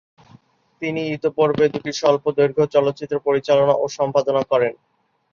তিনি ইতোপূর্বে দুটি স্বল্পদৈর্ঘ্য চলচ্চিত্র পরিচালনা ও সম্পাদনা করেন।